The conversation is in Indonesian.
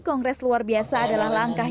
kongres luar biasa adalah langkah